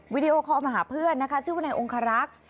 วิดีโอคอลมาหาเพื่อนนะคะชื่อวนายองคารักษ์